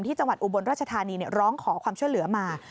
จังหวัดอุบลราชธานีร้องขอความช่วยเหลือมา